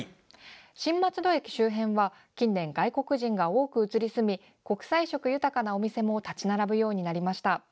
新松戸駅周辺は近年、外国人が多く移り住み国際色豊かなお店も立ち並ぶようになりました。